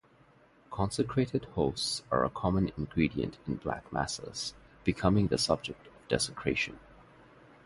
Consecrated hosts are a common ingredient in black masses, becoming the subject of desecration.